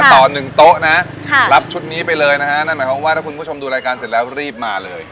ต่อ๑โต๊ะนะรับชุดนี้ไปเลยนะฮะนั่นหมายความว่าถ้าคุณผู้ชมดูรายการเสร็จแล้วรีบมาเลย